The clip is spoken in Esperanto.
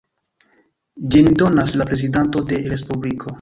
Ĝin donas la prezidanto de respubliko.